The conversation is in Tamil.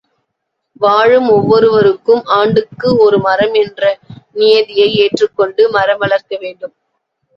வாழும் ஒவ்வொருவருக்கும் ஆண்டுக்கு ஒரு மரம் என்ற நியதியை ஏற்றுக்கொண்டு மரம் வளர்க்க வேண்டும்.